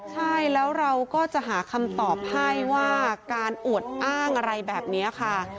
ใช่แล้วเราก็จะหาคำตอบให้ว่าการอวดอ้างอะไรแบบนี้ค่ะ